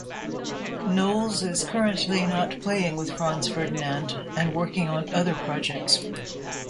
Knowles is currently not playing with Franz Ferdinand and working on other projects.